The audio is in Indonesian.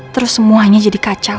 terus semuanya jadi kacau